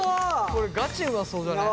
これガチうまそうじゃねえ？